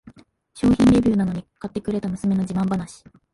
商品レビューなのに買ってくれた娘の自慢話